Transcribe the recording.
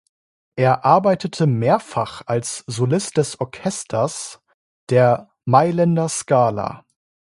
Er arbeitete mehrfach als Solist des Orchesters der Mailänder Scala.